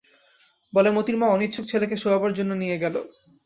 বলে মোতির মা অনিচ্ছুক ছেলেকে শোয়াবার জন্যে নিয়ে গেল।